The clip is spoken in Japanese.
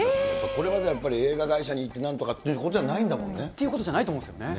これまでやっぱり、映画会社に行って、なんとかってことじゃないんだもんね。ということじゃないんですよね。